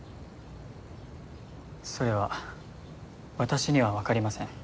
それは私には分かりません。